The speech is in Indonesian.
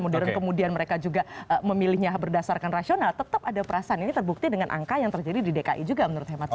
modern kemudian mereka juga memilihnya berdasarkan rasional tetap ada perasaan ini terbukti dengan angka yang terjadi di dki juga menurut hemat